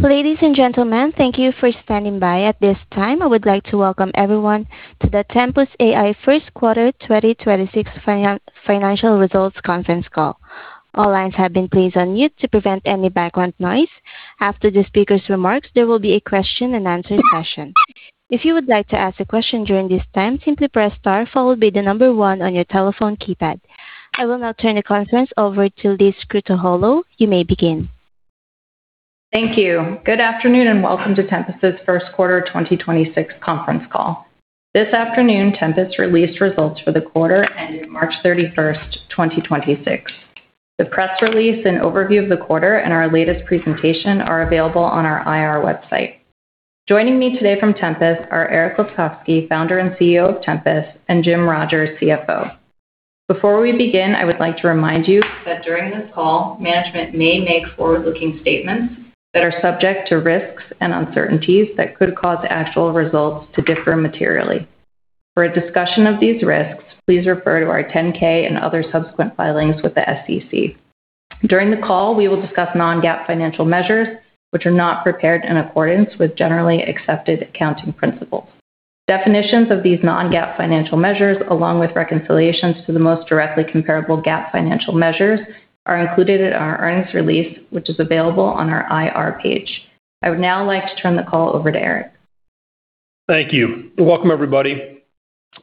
Ladies and gentlemen, thank you for standing by. At this time, I would like to welcome everyone to the Tempus AI first quarter 2026 financial results conference call. All lines have been placed on mute to prevent any background noise. After the speaker's remarks, there will be a question and answer session. If you would like to ask a question during this time, simply press star followed by the number 1 on your telephone keypad. I will now turn the conference over to Liz Krutoholow. You may begin. Thank you. Good afternoon. Welcome to Tempus' first quarter 2026 conference call. This afternoon, Tempus released results for the quarter ending March 31st, 2026. The press release and overview of the quarter and our latest presentation are available on our IR website. Joining me today from Tempus are Eric Lefkofsky, Founder and CEO of Tempus, and Jim Rogers, CFO. Before we begin, I would like to remind you that during this call, management may make forward-looking statements that are subject to risks and uncertainties that could cause actual results to differ materially. For a discussion of these risks, please refer to our 10-K and other subsequent filings with the SEC. During the call, we will discuss non-GAAP financial measures, which are not prepared in accordance with generally accepted accounting principles. Definitions of these non-GAAP financial measures, along with reconciliations to the most directly comparable GAAP financial measures, are included in our earnings release, which is available on our IR page. I would now like to turn the call over to Eric. Thank you. Welcome, everybody.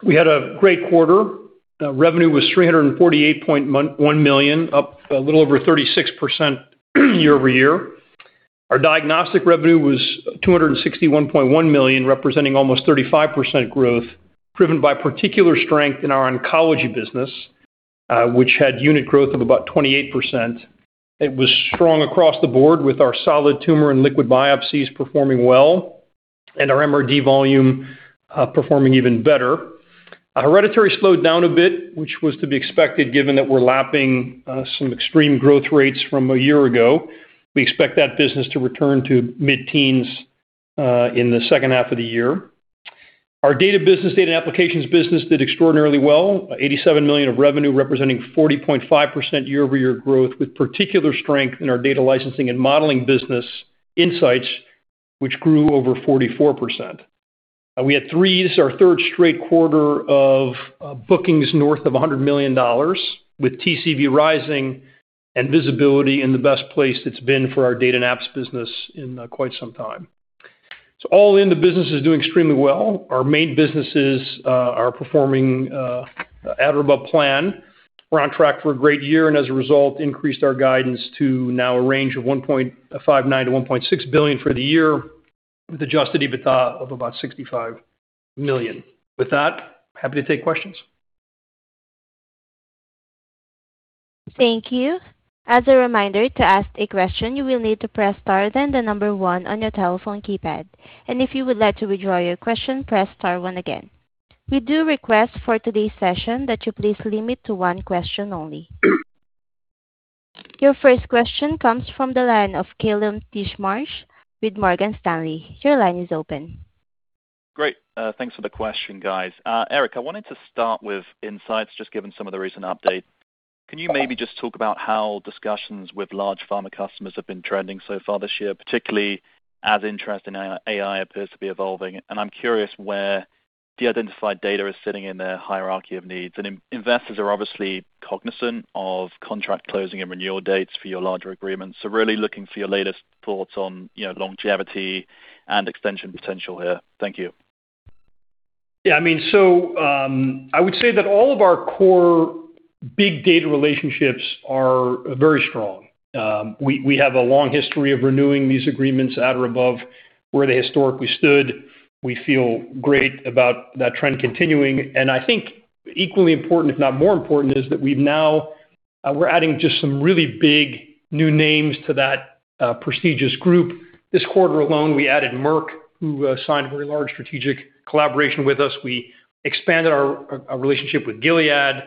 We had a great quarter. Revenue was $348.1 million, up a little over 36% year-over-year. Our diagnostic revenue was $261.1 million, representing almost 35% growth, driven by particular strength in our oncology business, which had unit growth of about 28%. It was strong across the board with our solid tumor and liquid biopsies performing well and our MRD volume performing even better. Hereditary slowed down a bit, which was to be expected given that we're lapping some extreme growth rates from a year ago. We expect that business to return to mid-teens in the second half of the year. Our data and applications business did extraordinarily well. $87 million of revenue representing 40.5% year-over-year growth, with particular strength in our data licensing and modeling business insights, which grew over 44%. This is our third straight quarter of bookings north of $100 million, with TCV rising and visibility in the best place it's been for our data and apps business in quite some time. All in the business is doing extremely well. Our main businesses are performing at or above plan. We're on track for a great year. As a result, increased our guidance to now a range of $1.59 billion-$1.6 billion for the year, with adjusted EBITDA of about $65 million. With that, happy to take questions. Thank you. As a reminder, to ask a question, you will need to press star, then the number one on your telephone keypad. If you would like to withdraw your question, press star one again. We do request for today's session that you please limit to one question only. Your first question comes from the line of Kallum Titchmarsh with Morgan Stanley. Your line is open. Great. Thanks for the question, guys. Eric, I wanted to start with insights, just given some of the recent updates. Can you maybe just talk about how discussions with large pharma customers have been trending so far this year, particularly as interest in AI appears to be evolving? I'm curious where de-identified data is sitting in their hierarchy of needs. investors are obviously cognizant of contract closing and renewal dates for your larger agreements. really looking for your latest thoughts on, you know, longevity and extension potential here. Thank you. Yeah, I mean, I would say that all of our core big data relationships are very strong. We have a long history of renewing these agreements at or above where they historically stood. We feel great about that trend continuing. I think equally important, if not more important, is that we're adding just some really big new names to that prestigious group. This quarter alone, we added Merck, who signed a very large strategic collaboration with us. We expanded our relationship with Gilead.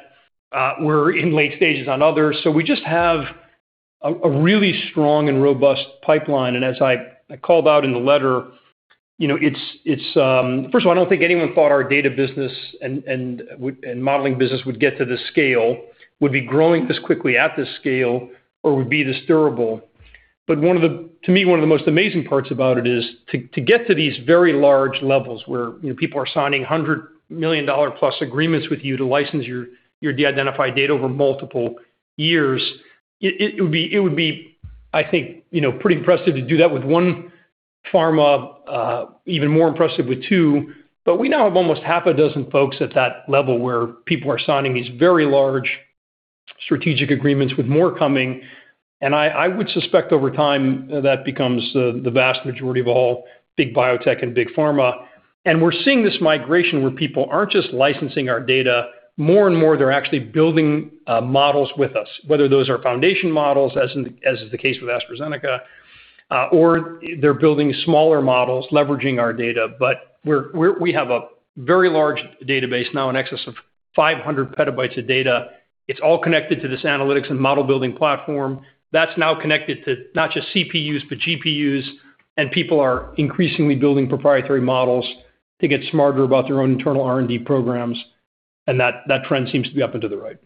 We're in late stages on others. We just have a really strong and robust pipeline. As I called out in the letter, you know, it's First of all, I don't think anyone thought our data business and modeling business would get to this scale, would be growing this quickly at this scale or would be this durable. One of the, to me, one of the most amazing parts about it is to get to these very large levels where, you know, people are signing $100 million plus agreements with you to license your de-identified data over multiple years. It would be, I think, you know, pretty impressive to do that with one pharma, even more impressive with two. We now have almost half a dozen folks at that level where people are signing these very large strategic agreements with more coming. I would suspect over time, that becomes the vast majority of all big biotech and big pharma. We're seeing this migration where people aren't just licensing our data. More and more, they're actually building models with us, whether those are foundation models, as is the case with AstraZeneca, or they're building smaller models leveraging our data. We have a very large database now in excess of 500 PB of data. It's all connected to this analytics and model building platform that's now connected to not just CPUs, but GPUs. People are increasingly building proprietary models to get smarter about their own internal R&D programs, and that trend seems to be up into the right.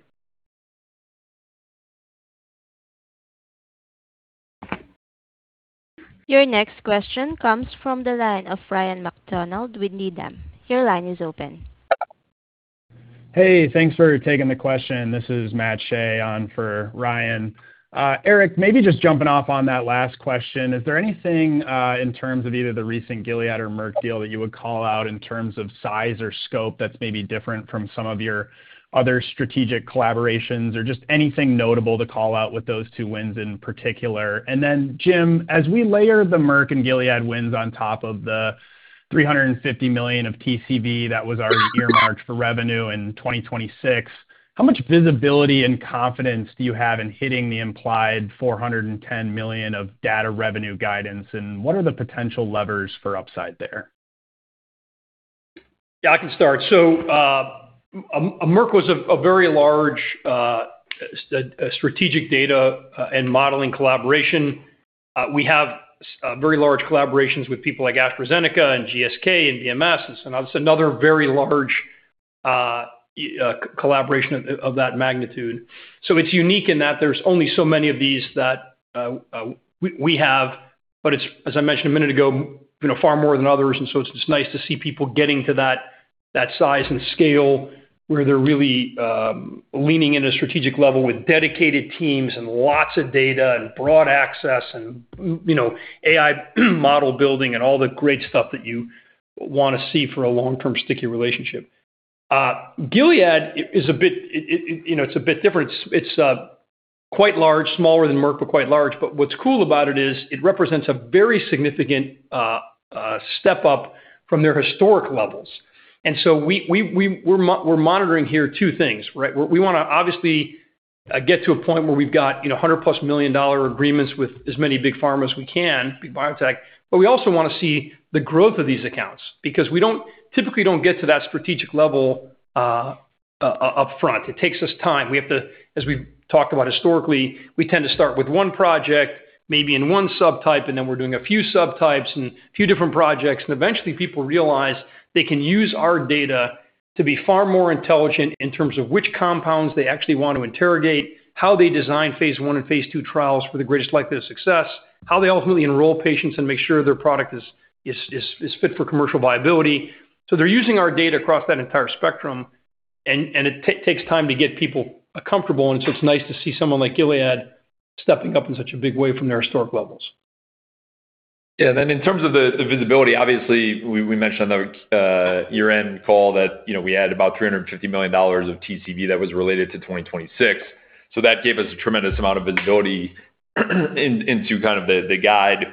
Your next question comes from the line of Ryan MacDonald with Needham. Your line is open. Hey, thanks for taking the question. This is Matt Shea on for Ryan. Eric, maybe just jumping off on that last question, is there anything in terms of either the recent Gilead or Merck deal that you would call out in terms of size or scope that's maybe different from some of your other strategic collaborations or just anything notable to call out with those two wins in particular? Jim, as we layer the Merck and Gilead wins on top of the $350 million of TCV that was already earmarked for revenue in 2026, how much visibility and confidence do you have in hitting the implied $410 million of data revenue guidance, and what are the potential levers for upside there? Yeah, I can start. Merck was a very large strategic data and modeling collaboration. We have very large collaborations with people like AstraZeneca and GSK and BMS. It's another very large collaboration of that magnitude. It's unique in that there's only so many of these that we have, but it's, as I mentioned a minute ago, you know, far more than others. It's just nice to see people getting to that size and scale where they're really leaning in a strategic level with dedicated teams and lots of data and broad access and, you know, AI model building and all the great stuff that you want to see for a long-term sticky relationship. Gilead is a bit, you know, it's a bit different. It's quite large, smaller than Merck, but quite large. What's cool about it is it represents a very significant step up from their historic levels. We're monitoring here two things, right? We wanna obviously get to a point where we've got, you know, $100+ million agreements with as many big pharma as we can, big biotech. We also wanna see the growth of these accounts because we typically don't get to that strategic level up front. It takes us time. We have to, as we've talked about historically, we tend to start with one project, maybe in one subtype, and then we're doing a few subtypes and a few different projects. Eventually people realize they can use our data to be far more intelligent in terms of which compounds they actually want to interrogate, how they design phase I and phase II trials for the greatest likelihood of success, how they ultimately enroll patients and make sure their product is fit for commercial viability. They're using our data across that entire spectrum and it takes time to get people comfortable, and so it's nice to see someone like Gilead stepping up in such a big way from their historic levels. Yeah. In terms of the visibility, obviously, we mentioned on the year-end call that, you know, we had about $350 million of TCV that was related to 2026. That gave us a tremendous amount of visibility into kind of the guide.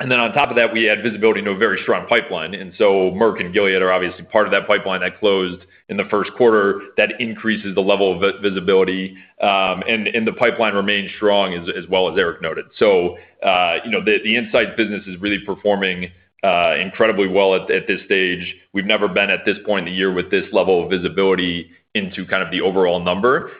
On top of that, we had visibility into a very strong pipeline. Merck and Gilead are obviously part of that pipeline that closed in the first quarter. That increases the level of visibility, and the pipeline remains strong as well as Eric noted. You know, the insight business is really performing incredibly well at this stage. We've never been at this point in the year with this level of visibility into kind of the overall number.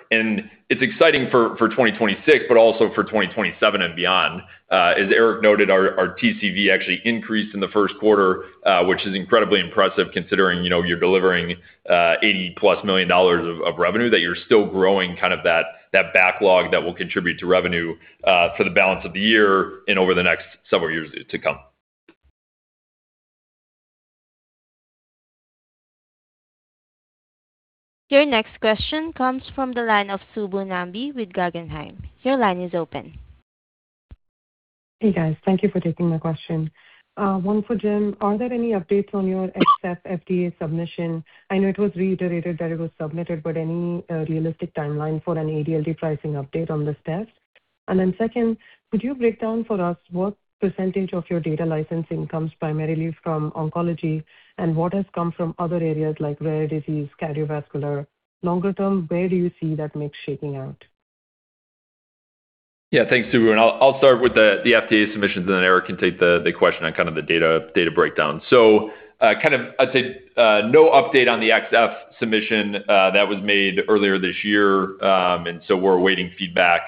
It's exciting for 2026, but also for 2027 and beyond. As Eric noted, our TCV actually increased in the first quarter, which is incredibly impressive considering, you know, you're delivering $80 plus million of revenue that you're still growing kind of that backlog that will contribute to revenue for the balance of the year and over the next several years to come. Your next question comes from the line of Subbu Nambi with Guggenheim. Your line is open. Hey, guys. Thank you for taking my question. One for Jim. Are there any updates on your xF FDA submission? I know it was reiterated that it was submitted, but any realistic timeline for an ADLT pricing update on this test? Second, could you break down for us what percentage of your data licensing comes primarily from oncology and what has come from other areas like Rare Disease, cardiovascular? Longer term, where do you see that mix shaping out? Thanks, Subbu, I'll start with the FDA submissions, then Eric can take the question on kind of the data breakdown. kind of I'd say no update on the xF submission that was made earlier this year. We're awaiting feedback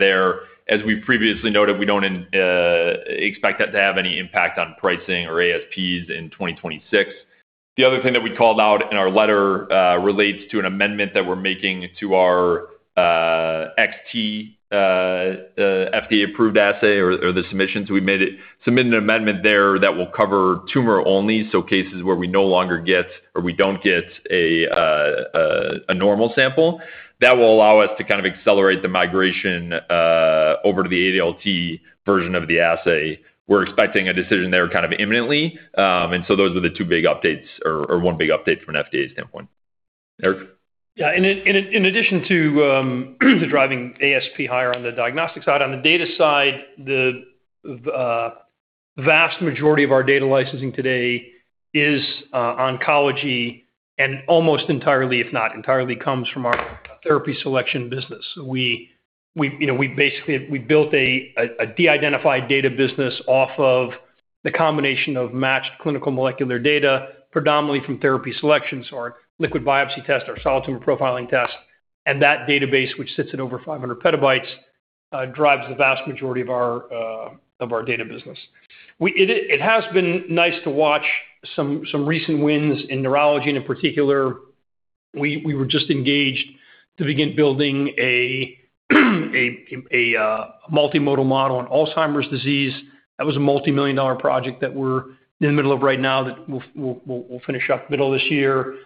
there. As we previously noted, we don't expect that to have any impact on pricing or ASPs in 2026. The other thing that we called out in our letter relates to an amendment that we're making to our xT FDA-approved assay or the submission. We submitted an amendment there that will cover tumor only, so cases where we no longer get or we don't get a normal sample. That will allow us to kind of accelerate the migration over to the ADLT version of the assay. We're expecting a decision there kind of imminently. Those are the two big updates or one big update from an FDA standpoint. Eric? Yeah. In addition to driving ASP higher on the diagnostic side, on the data side, the vast majority of our data licensing today is oncology and almost entirely, if not entirely, comes from our therapy selection business. We, you know, we built a de-identified data business off of the combination of matched clinical molecular data, predominantly from therapy selections, so our liquid biopsy test, our solid tumor profiling test, and that database, which sits at over 500 PB, drives the vast majority of our data business. It has been nice to watch some recent wins in neurology and in particular, we were just engaged to begin building a multimodal model on Alzheimer's disease. That was a multi-million-dollar project that we're in the middle of right now that we'll finish up the middle of this year.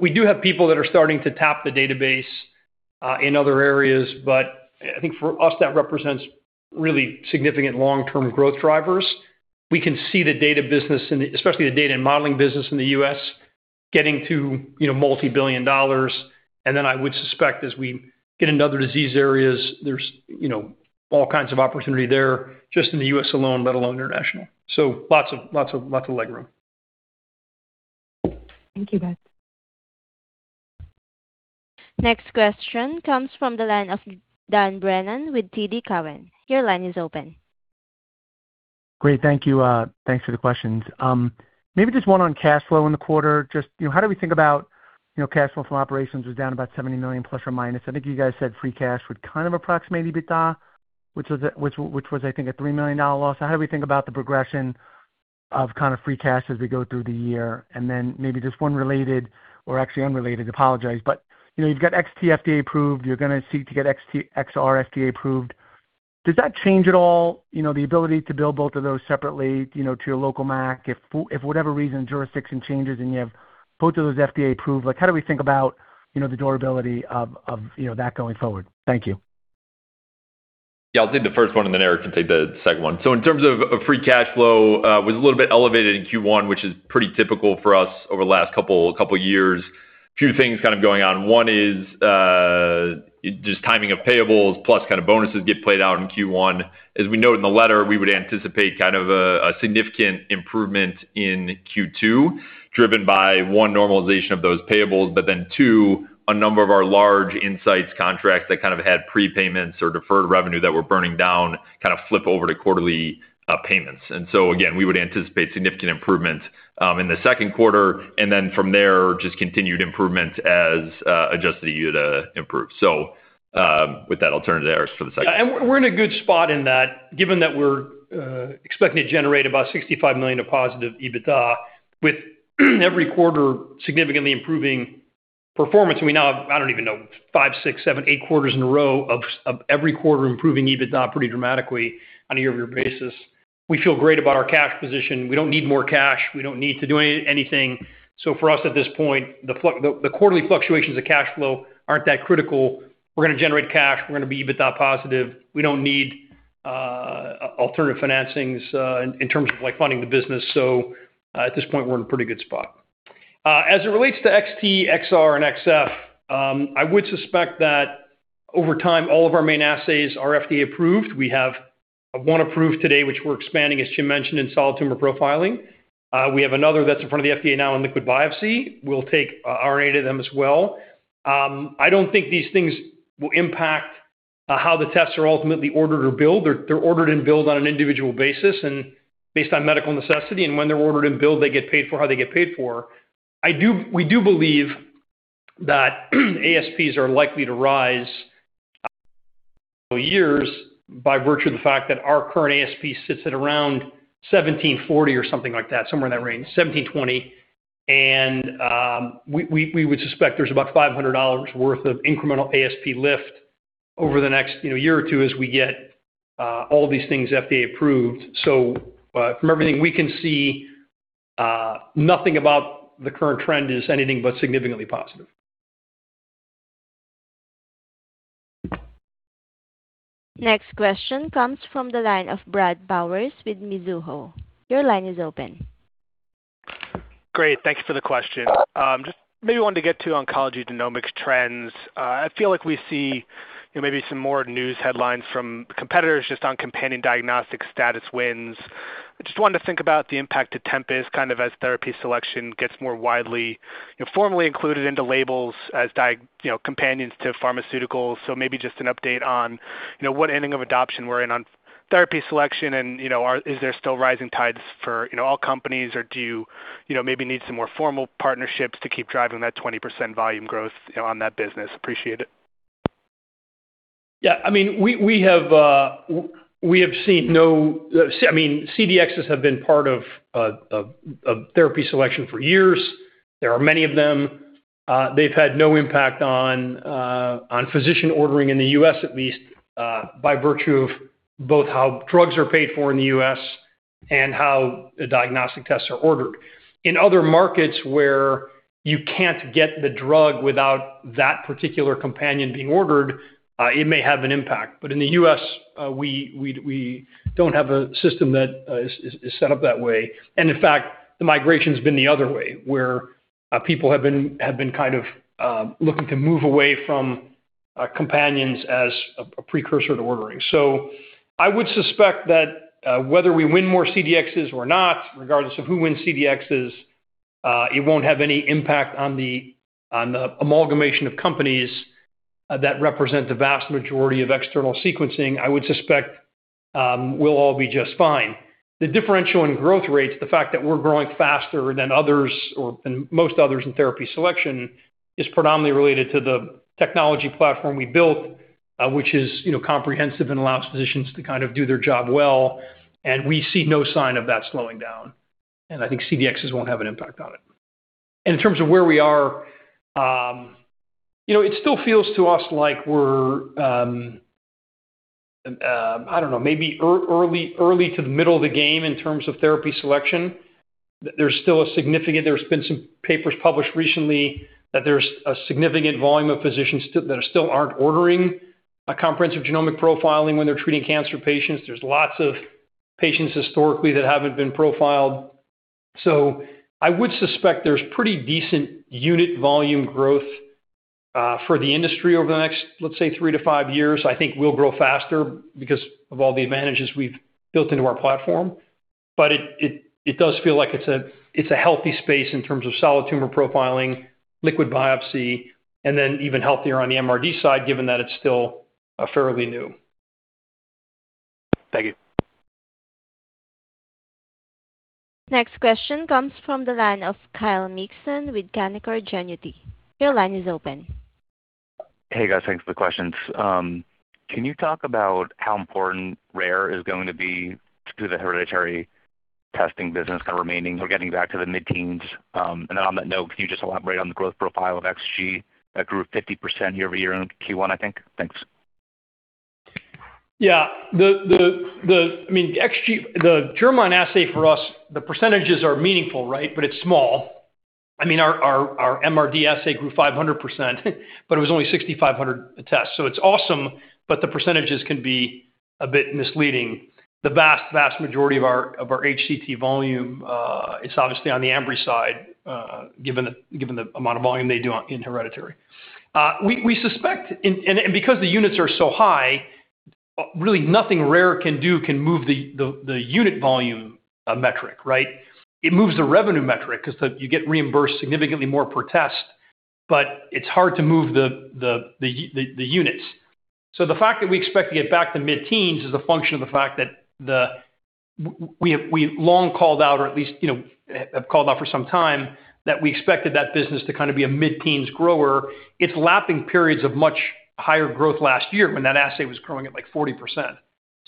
We do have people that are starting to tap the database in other areas, but I think for us, that represents really significant long-term growth drivers. We can see the data business in the especially the data and modeling business in the U.S. getting to, you know, $ multi-billion. I would suspect as we get into other disease areas, there's, you know, all kinds of opportunity there, just in the U.S. alone, let alone international. Lots of leg room. Thank you, guys. Next question comes from the line of Dan Brennan with TD Cowen. Your line is open. Great. Thank you. thanks for the questions. Maybe just one on cash flow in the quarter. Just, you know, how do we think about, you know, cash flow from operations was down about $70 million plus or minus. I think you guys said free cash would kind of approximate EBITDA, which was, I think, a $3 million loss. How do we think about the progression of kind of free cash as we go through the year? Maybe just one related or actually unrelated, apologize, you know, you've got xT FDA approved, you're gonna seek to get xT- xR FDA approved. Does that change at all, you know, the ability to bill both of those separately, you know, to your local MAC if whatever reason jurisdiction changes and you have both of those FDA approved, like, how do we think about, you know, the durability of that going forward? Thank you. Yeah, I'll take the first one and then Eric can take the second one. In terms of free cash flow, was a little bit elevated in Q1, which is pretty typical for us over the last couple years. A few things kind of going on. One is just timing of payables plus kind of bonuses get played out in Q1. As we note in the letter, we would anticipate kind of a significant improvement in Q2, driven by, one, normalization of those payables, but then two, a number of our large insights contracts that kind of had prepayments or deferred revenue that were burning down, kind of flip over to quarterly payments. Again, we would anticipate significant improvement in the second quarter, and then from there, just continued improvement as adjusted EBITDA improves. With that, I'll turn it to Eric for the second one. Yeah, we're in a good spot in that, given that we're expecting to generate about $65 million of positive EBITDA with every quarter significantly improving performance. We now have, I don't even know, five, six, seven, eight quarters in a row of every quarter improving EBITDA pretty dramatically on a year-over-year basis. We feel great about our cash position. We don't need more cash. We don't need to do anything. For us at this point, the quarterly fluctuations of cash flow aren't that critical. We're gonna generate cash, we're gonna be EBITDA positive. We don't need alternative financings in terms of like funding the business. At this point, we're in a pretty good spot. As it relates to xT, xR, and xF, I would suspect that over time, all of our main assays are FDA-approved. We have one approved today, which we're expanding, as Jim mentioned, in solid tumor profiling. We have another that's in front of the FDA now in liquid biopsy. We'll take RNA to them as well. I don't think these things will impact how the tests are ultimately ordered or billed. They're ordered and billed on an individual basis and based on medical necessity. When they're ordered and billed, they get paid for how they get paid for. We do believe that ASPs are likely to rise for years by virtue of the fact that our current ASP sits at around $1,740 or something like that, somewhere in that range, $1,720. We would suspect there's about $500 worth of incremental ASP lift over the next, you know, year or two as we get all these things FDA approved. From everything we can see, nothing about the current trend is anything but significantly positive. Next question comes from the line of Brad Bowers with Mizuho. Your line is open. Great. Thank you for the question. Just maybe wanted to get to oncology genomics trends. I feel like we see, you know, maybe some more news headlines from competitors just on companion diagnostic status wins. I just wanted to think about the impact to Tempus, kind of as therapy selection gets more widely, you know, formally included into labels as diagnostic, you know, companions to pharmaceuticals. Maybe just an update on, you know, what inning of adoption we're in on therapy selection and, you know, is there still rising tides for, you know, all companies or do you know, maybe need some more formal partnerships to keep driving that 20% volume growth, you know, on that business? Appreciate it. Yeah, I mean, we have seen no I mean, CDXs have been part of therapy selection for years. There are many of them. They've had no impact on physician ordering in the U.S. at least, by virtue of both how drugs are paid for in the U.S. and how the diagnostic tests are ordered. In other markets where you can't get the drug without that particular companion being ordered, it may have an impact. In the U.S., we don't have a system that is set up that way. In fact, the migration's been the other way, where people have been kind of looking to move away from companions as a precursor to ordering. I would suspect that whether we win more CDXs or not, regardless of who wins CDXs, it won't have any impact on the amalgamation of companies that represent the vast majority of external sequencing. I would suspect we'll all be just fine. The differential in growth rates, the fact that we're growing faster than others or than most others in therapy selection, is predominantly related to the technology platform we built, which is, you know, comprehensive and allows physicians to kind of do their job well, and we see no sign of that slowing down. I think CDXs won't have an impact on it. In terms of where we are, you know, it still feels to us like we're, I don't know, maybe early to the middle of the game in terms of therapy selection. There's been some papers published recently that there's a significant volume of physicians that still aren't ordering a comprehensive genomic profiling when they're treating cancer patients. There's lots of patients historically that haven't been profiled. I would suspect there's pretty decent unit volume growth for the industry over the next, let's say, three to five years. I think we'll grow faster because of all the advantages we've built into our platform. It does feel like it's a healthy space in terms of solid tumor profiling, liquid biopsy, and then even healthier on the MRD side, given that it's still fairly new. Thank you. Next question comes from the line of Kyle Mikson with Canaccord Genuity. Your line is open. Hey, guys. Thanks for the questions. Can you talk about how important Rare is going to be to the hereditary testing business kind of remaining or getting back to the mid-teens? On that note, can you just elaborate on the growth profile of xG that grew 50% year-over-year in Q1, I think? Thanks. The, I mean, xG, the germline assay for us, the percentages are meaningful, right? It's small. I mean, our MRD assay grew 500%, but it was only 6,500 a test, so it's awesome, but the percentages can be a bit misleading. The vast majority of our HCT volume is obviously on the Ambry side, given the amount of volume they do in hereditary. We suspect and because the units are so high, really nothing Rare can do can move the unit volume metric, right? It moves the revenue metric 'cause you get reimbursed significantly more per test, but it's hard to move the units. The fact that we expect to get back to mid-teens is a function of the fact that we long called out, or at least, you know, have called out for some time, that we expected that business to kind of be a mid-teens grower. It's lapping periods of much higher growth last year when that assay was growing at, like, 40%.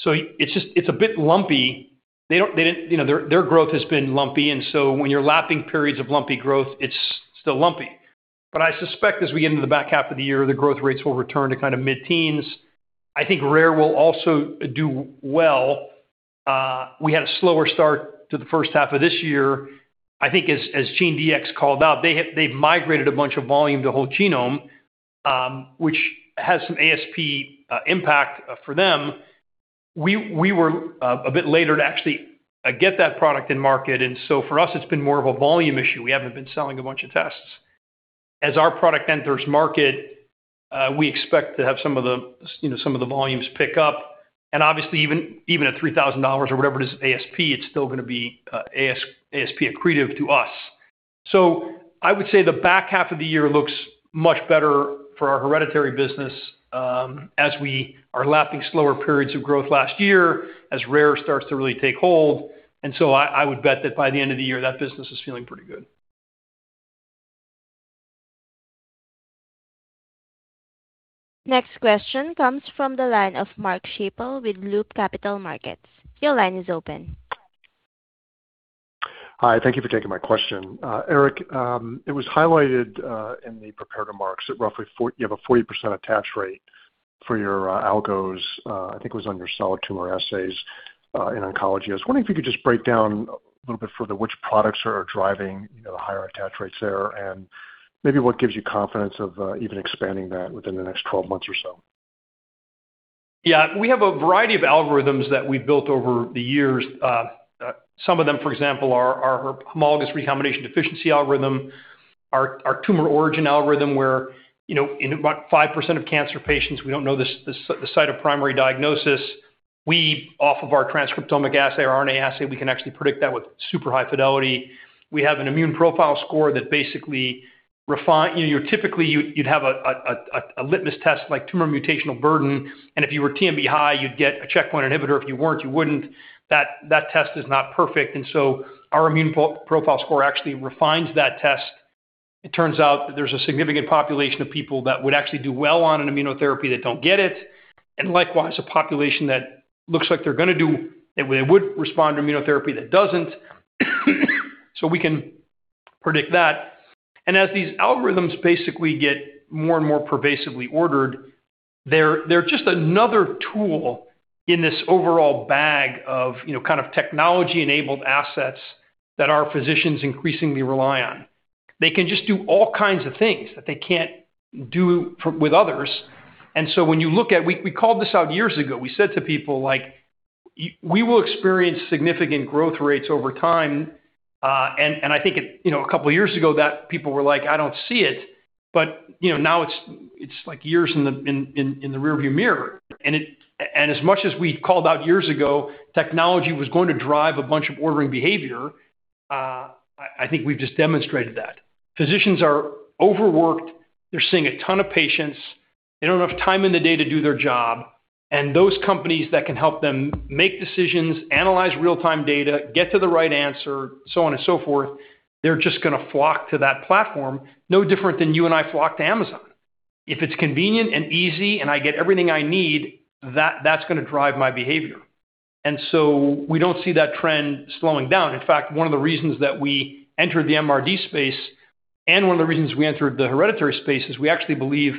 It's just, it's a bit lumpy. You know, their growth has been lumpy, when you're lapping periods of lumpy growth, it's still lumpy. I suspect as we get into the back half of the year, the growth rates will return to kind of mid-teens. I think Rare will also do well. We had a slower start to the first half of this year. I think as GeneDx called out, they've migrated a bunch of volume to whole genome, which has some ASP impact for them. We were a bit later to actually get that product in market, and so for us, it's been more of a volume issue. We haven't been selling a bunch of tests. As our product enters market, we expect to have some of the, you know, some of the volumes pick up, and obviously, even at $3,000 or whatever it is ASP, it's still gonna be ASP accretive to us. I would say the back half of the year looks much better for our hereditary business, as we are lapping slower periods of growth last year, as Rare starts to really take hold. I would bet that by the end of the year, that business is feeling pretty good. Next question comes from the line of Mark Schappel with Loop Capital Markets. Your line is open. Hi, thank you for taking my question. Eric, it was highlighted in the prepared remarks that roughly you have a 40% attach rate for your algos, I think it was on your solid tumor assays in oncology. I was wondering if you could just break down a little bit further which products are driving, you know, the higher attach rates there, and maybe what gives you confidence of even expanding that within the next 12 months or so. Yeah. We have a variety of algorithms that we've built over the years. Some of them, for example, are our homologous recombination deficiency algorithm, our Tumor Origin algorithm, where, you know, in about 5% of cancer patients, we don't know the site of primary diagnosis. We, off of our transcriptomic assay, our RNA assay, we can actually predict that with super high fidelity. We have an Immune Profile Score that basically You know, typically you'd have a litmus test like tumor mutational burden, and if you were TMB high, you'd get a checkpoint inhibitor. If you weren't, you wouldn't. That test is not perfect, our Immune Profile Score actually refines that test. It turns out that there's a significant population of people that would actually do well on an immunotherapy that don't get it, and likewise, a population that looks like they're gonna do they would respond to immunotherapy that doesn't, so we can predict that. As these algorithms basically get more and more pervasively ordered, they're just another tool in this overall bag of, you know, kind of technology-enabled assets that our physicians increasingly rely on. They can just do all kinds of things that they can't do with others. When you look at We called this out years ago. We said to people, like, "We will experience significant growth rates over time." I think it, you know, a couple of years ago that people were like, "I don't see it," but, you know, now it's like years in the rearview mirror. As much as we called out years ago, technology was going to drive a bunch of ordering behavior, I think we've just demonstrated that. Physicians are overworked, they're seeing a ton of patients, they don't have time in the day to do their job, and those companies that can help them make decisions, analyze real-time data, get to the right answer, so on and so forth, they're just gonna flock to that platform, no different than you and I flock to Amazon. If it's convenient and easy, and I get everything I need, that's gonna drive my behavior. We don't see that trend slowing down. In fact, one of the reasons that we entered the MRD space, and one of the reasons we entered the hereditary space, is we actually believe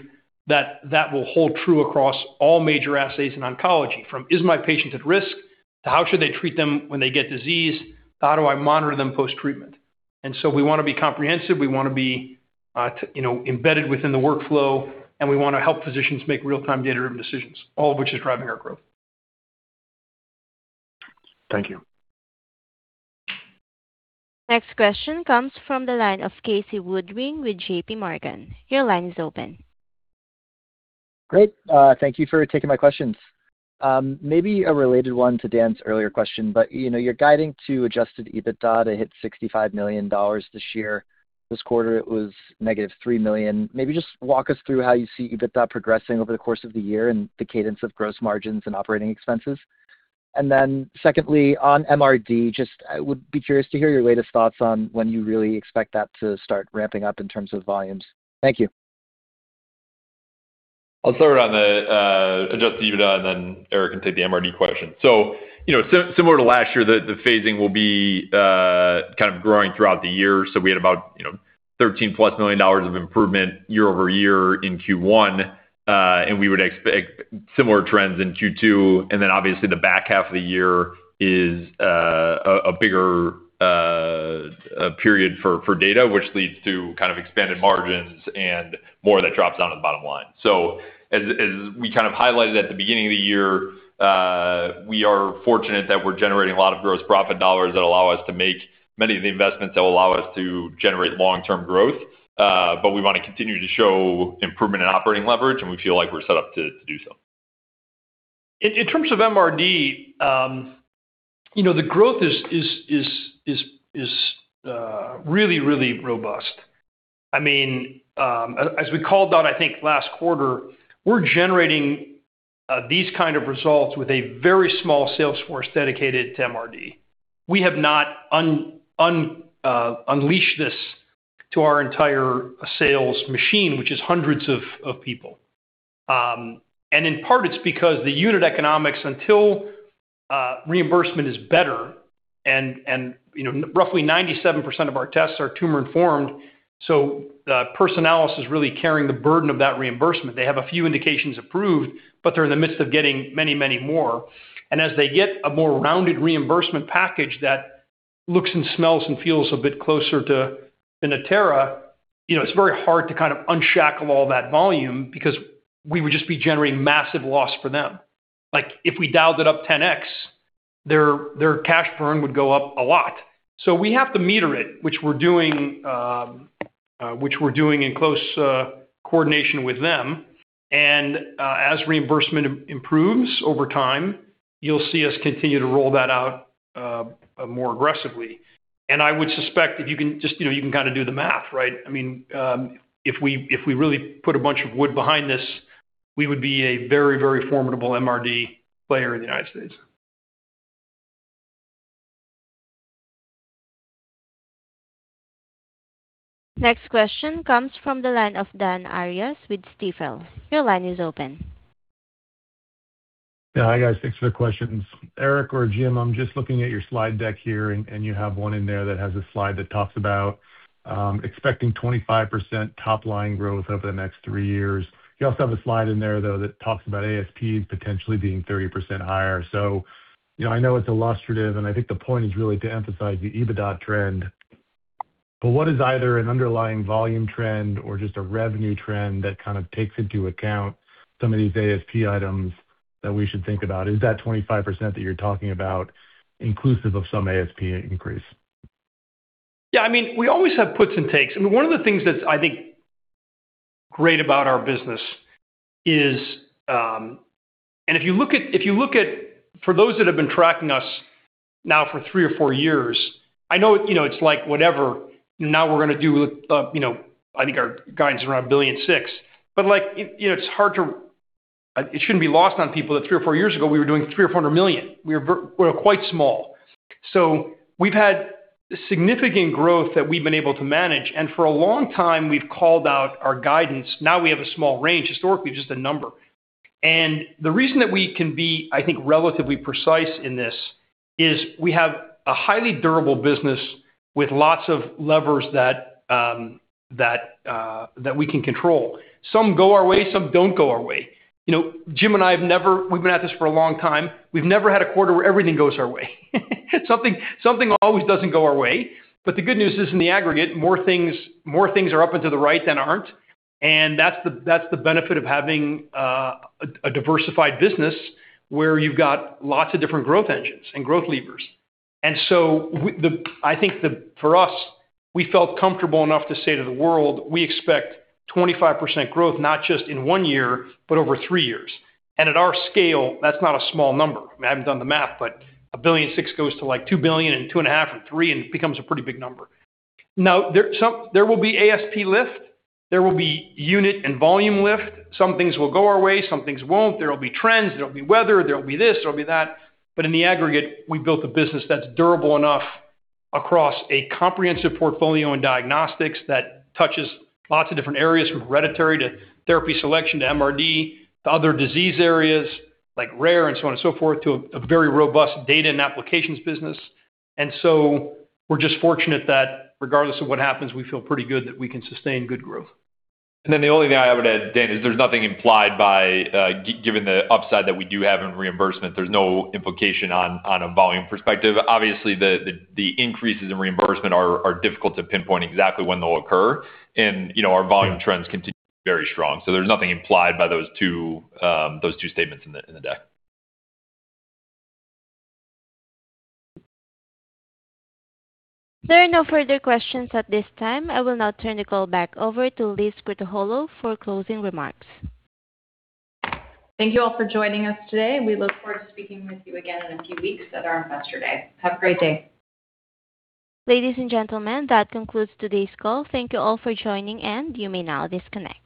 that that will hold true across all major assays in oncology, from is my patient at risk, to how should they treat them when they get disease, to how do I monitor them post-treatment. We wanna be comprehensive, we wanna be, you know, embedded within the workflow, and we wanna help physicians make real-time data-driven decisions, all of which is driving our growth. Thank you. Next question comes from the line of Casey Woodring with JPMorgan. Your line is open. Great. Thank you for taking my questions. Maybe a related one to Dan's earlier question, you know, you're guiding to adjusted EBITDA to hit $65 million this year. This quarter it was negative $3 million. Maybe just walk us through how you see EBITDA progressing over the course of the year and the cadence of gross margins and operating expenses. Secondly, on MRD, just I would be curious to hear your latest thoughts on when you really expect that to start ramping up in terms of volumes. Thank you. I'll start on the adjusted EBITDA, and then Eric can take the MRD question. You know, similar to last year, the phasing will be kind of growing throughout the year. We had about, you know, $13+ million of improvement year-over-year in Q1. We would expect similar trends in Q2. Obviously the back half of the year is a bigger period for data, which leads to kind of expanded margins and more that drops down to the bottom line. As we kind of highlighted at the beginning of the year, we are fortunate that we're generating a lot of gross profit dollars that allow us to make many of the investments that will allow us to generate long-term growth. We wanna continue to show improvement in operating leverage, and we feel like we're set up to do so. In terms of MRD, you know, the growth is really robust. I mean, as we called out, I think, last quarter, we're generating these kind of results with a very small sales force dedicated to MRD. We have not unleashed this to our entire sales machine, which is hundreds of people. And in part it's because the unit economics until reimbursement is better and, you know, roughly 97% of our tests are tumor-informed, so Personalis is really carrying the burden of that reimbursement. They have a few indications approved, but they're in the midst of getting many more. As they get a more rounded reimbursement package that looks and smells and feels a bit closer to Natera, you know, it's very hard to kind of unshackle all that volume because we would just be generating massive loss for them. Like, if we dialed it up 10x, their cash burn would go up a lot. We have to meter it, which we're doing, which we're doing in close coordination with them. As reimbursement improves over time, you'll see us continue to roll that out more aggressively. I would suspect if you can just, you know, you can kinda do the math, right? I mean, if we really put a bunch of wood behind this, we would be a very, very formidable MRD player in the United States. Next question comes from the line of Dan Arias with Stifel. Your line is open. Yeah. Hi, guys. Thanks for the questions. Eric or Jim, I'm just looking at your slide deck here, you have one in there that has a slide that talks about expecting 25% top-line growth over the next three years. You also have a slide in there, though, that talks about ASP potentially being 30% higher. You know, I know it's illustrative, and I think the point is really to emphasize the EBITDA trend, but what is either an underlying volume trend or just a revenue trend that kind of takes into account some of these ASP items that we should think about? Is that 25% that you're talking about inclusive of some ASP increase? Yeah, I mean, we always have puts and takes. I mean, one of the things that's, I think, great about our business is, if you look at, for those that have been tracking us now for three or four years, I know, you know, it's like whatever, now we're going to do, you know, I think our guidance is around $1.6 billion. Like, you know, it shouldn't be lost on people that three or four years ago we were doing $300 million-$400 million. We were quite small. We've had significant growth that we've been able to manage. For a long time we've called out our guidance. Now we have a small range, historically just a number. The reason that we can be, I think, relatively precise in this is we have a highly durable business with lots of levers that we can control. Some go our way, some don't go our way. You know, Jim and I, we've been at this for a long time. We've never had a quarter where everything goes our way. Something always doesn't go our way. The good news is, in the aggregate, more things are up and to the right than aren't, and that's the benefit of having a diversified business where you've got lots of different growth engines and growth levers. We, I think, for us, we felt comfortable enough to say to the world, we expect 25% growth, not just in one year, but over three years. At our scale, that's not a small number. I mean, I haven't done the math, but $1.6 billion goes to like $2 billion and $2.5 billion or $3billion, and it becomes a pretty big number. There will be ASP lift, there will be unit and volume lift. Some things will go our way, some things won't. There will be trends, there will be weather, there will be this, there will be that. In the aggregate, we built a business that's durable enough across a comprehensive portfolio in diagnostics that touches lots of different areas from hereditary to therapy selection to MRD, to other disease areas like Rare Disease and so on and so forth, to a very robust data and applications business. We're just fortunate that regardless of what happens, we feel pretty good that we can sustain good growth. The only thing I would add, Dan, is there's nothing implied by given the upside that we do have in reimbursement, there's no implication on a volume perspective. Obviously, the increases in reimbursement are difficult to pinpoint exactly when they'll occur. You know, our volume trends continue to be very strong. There's nothing implied by those two, those two statements in the deck. There are no further questions at this time. I will now turn the call back over to Liz Krutoholow for closing remarks. Thank you all for joining us today. We look forward to speaking with you again in a few weeks at our Investor Day. Have a great day. Ladies and gentlemen, that concludes today's call. Thank you all for joining. You may now disconnect.